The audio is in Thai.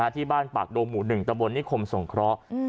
ที่บ้านปากโดหมู่หนึ่งตะบนนี่คมสงเคราะห์